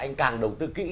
anh càng đầu tư kỹ